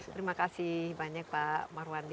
terima kasih banyak pak marwandi